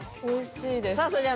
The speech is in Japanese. おいしいです。